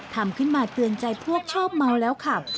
ทำขึ้นมาเตือนใจพวกชอบเมาแล้วขับ